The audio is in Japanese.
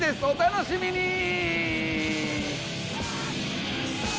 お楽しみに！